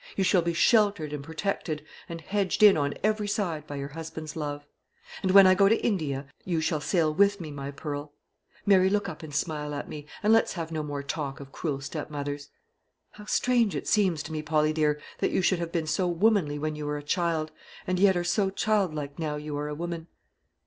You shall be sheltered and protected, and hedged in on every side by your husband's love. And when I go to India, you shall sail with me, my pearl. Mary, look up and smile at me, and let's have no more talk of cruel stepmothers. How strange it seems to me, Polly dear, that you should have been so womanly when you were a child, and yet are so childlike now you are a woman!"